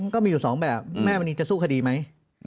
ก็มีอยู่๒แบบแม่มณีจะสู้คดีไหม